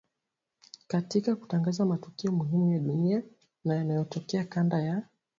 katika kutangaza matukio muhimu ya dunia na yanayotokea kanda ya